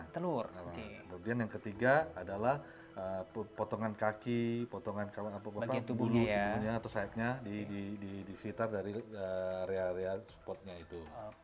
kemudian yang ketiga adalah potongan kaki potongan tubuhnya atau sayapnya di sekitar dari area area spotnya itu